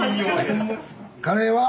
カレーは？